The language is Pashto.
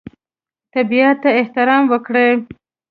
طبیعت ته احترام وکړئ.